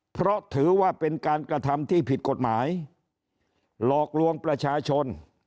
เพราะถือว่าเป็นการกระทำที่ผิดกฎหมายหลอกลวงประชาชน